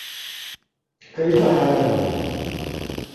It lies on the south border of the municipality on the island of Amager.